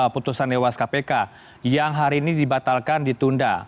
putusan dewas kpk yang hari ini dibatalkan ditunda